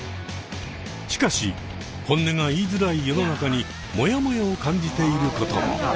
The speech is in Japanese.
しかし本音が言いづらい世の中にモヤモヤを感じていることも。